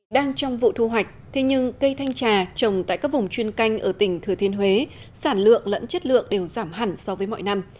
đang trong vụ thu hoạch thế nhưng cây thanh trà trồng tại các vùng chuyên canh ở tỉnh thừa thiên huế sản lượng lẫn chất lượng đều giảm hẳn so với mọi năm